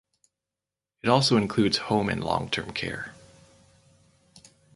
It also includes home and long-term care.